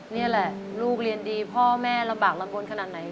นี่แหละลูกเรียนดีพ่อแม่ลำบากลำบลขนาดไหน